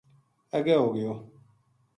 اگے ہو گیو